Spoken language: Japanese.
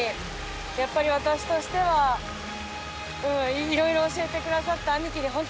やっぱり私としてはいろいろ教えて下さった兄貴に本当に感謝です。